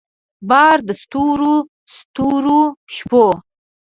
بار د ستورو ستورو شپو